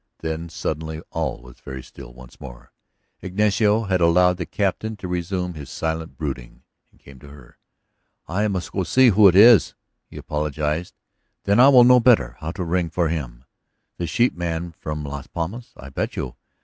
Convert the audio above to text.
Then suddenly all was very still once more; Ignacio had allowed the Captain to resume his silent brooding, and came to her. "I must go to see who it is," he apologized. "Then I will know better how to ring for him. The sheepman from Las Palmas, I bet you.